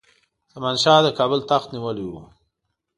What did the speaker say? زمان شاه د کابل تخت نیولی وو.